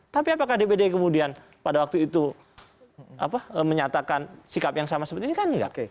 tapi apakah dpd kemudian pada waktu itu menyatakan sikap yang sama seperti ini kan enggak